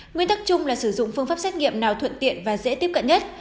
nguyên tắc chung là sử dụng phương pháp xét nghiệm nào thuận tiện và dễ tiếp cận nhất